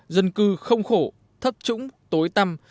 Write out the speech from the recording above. dân cư không khổ thất trũng tối tăm